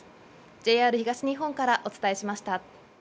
ＪＲ東日本からお伝えしました。